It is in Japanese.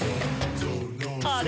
「あれ？